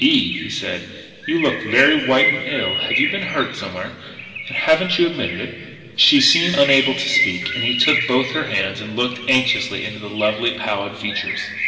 "Eve," he said, "you look very white and ill. Have you been hurt somewhere, and haven't you admitted it?" She seemed unable to speak, and he took both her hands and looked anxiously into the lovely, pallid features.